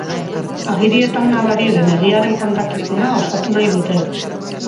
Agirietan nabari den egiaren kontakizuna osatu nahi dute.